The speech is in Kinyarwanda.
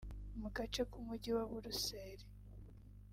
mu gace k’Umujyi wa Buruseli